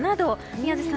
宮司さん